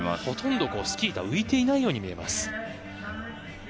ほとんどスキー板は浮いていないように見えます。